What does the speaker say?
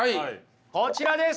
こちらです！